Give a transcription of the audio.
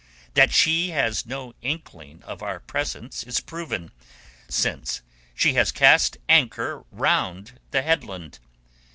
That she has no inkling of our presence is proven, since she has cast anchor round the headland.